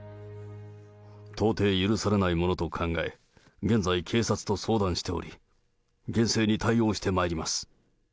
到底許されないものと考え、現在、警察と相談しており、厳正に対応してまいります。